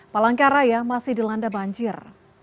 palangkaraya masih dilanda banjir